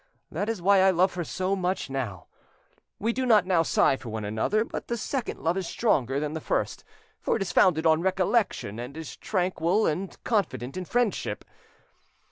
That is why I love her so much now; we do not now sigh for one another, but the second love is stronger than the first, for it is founded on recollection, and is tranquil and confident in friendship